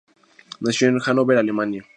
Nació en Hanover, Alemania.